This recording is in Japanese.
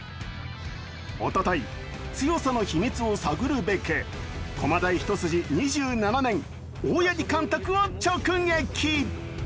おととい、強さの秘密を探るべく、駒大一筋２７年、大八木監督を直撃。